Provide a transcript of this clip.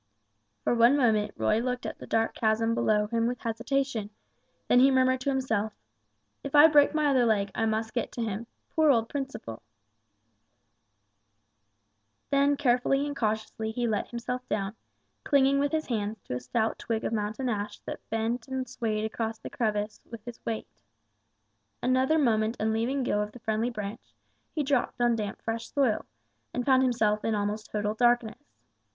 For one moment Roy looked at the dark chasm below him with hesitation, then he murmured to himself, "If I break my other leg, I must get to him poor old Principle." And then carefully and cautiously he let himself down, clinging with his hands to a stout twig of mountain ash that bent and swayed across the crevice with his weight. Another moment and leaving go of the friendly branch, he dropped on damp fresh soil, and found himself in almost total darkness.